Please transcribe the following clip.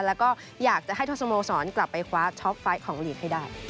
แล้วก็อยากจะให้ทุกสโมสรกลับไปคว้าช็อปไฟต์ของลีกให้ได้